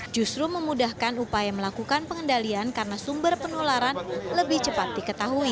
justru memudahkan upaya melakukan pengendalian karena sumber penularan lebih cepat diketahui